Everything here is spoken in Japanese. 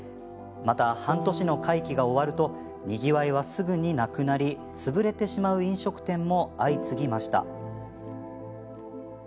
また、半年の会期が終わるとにぎわいは、すぐになくなり潰れてしまう飲食店も相次ぎました。